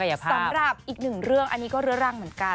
สำหรับอีกหนึ่งเรื่องอันนี้ก็เรื้อรังเหมือนกัน